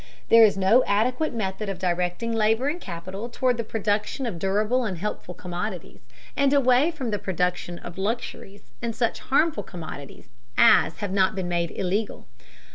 There is no adequate method of directing labor and capital toward the production of durable and helpful commodities, and away from the production of luxuries and such harmful commodities as have not been made illegal.